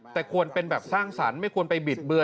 แต่ควรเป็นแบบสร้างสรรค์ไม่ควรไปบิดเบือน